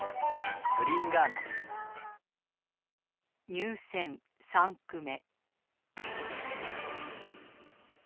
入選３句目